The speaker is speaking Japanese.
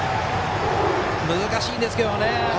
難しいんですけどね。